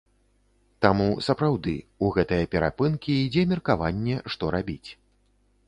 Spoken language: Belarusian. Таму, сапраўды, у гэтыя перапынкі ідзе меркаванне, што рабіць.